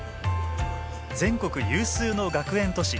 全国有数の学園都市